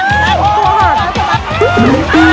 เออคืนที